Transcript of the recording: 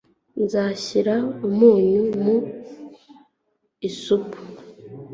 Nzashyira umunyu mu isupu.